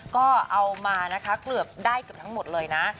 ก็เอามานะคะเกือบได้เกือบทั้งหมดเลยนะ